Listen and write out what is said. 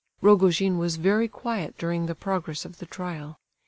Rogojin was very quiet during the progress of the trial.